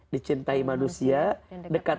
dicintai manusia dekat